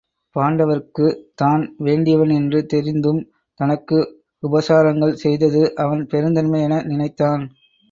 பாண்ட வர்க்குத் தான் வேண்டியவன் என்று தெரிந்தும் தனக்கு உபசாரங்கள் செய்தது அவன் பெருந்தன்மை என நினைத்தான்.